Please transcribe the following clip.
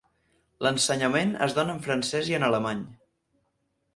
L'ensenyament es dóna en francès i en alemany.